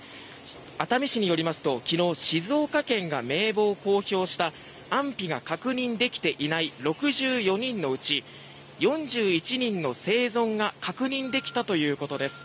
熱海市によりますと昨日、静岡県が名簿を公表した安否が確認できていない６４人のうち４１人の生存が確認できたということです。